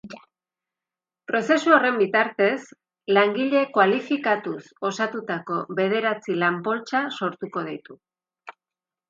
Prozesu horren bitartez, langile kualifikatuk osatutako bederatzi lan-poltsa sortuko ditu.